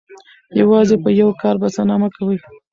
یوازې په یو کار بسنه مه کوئ.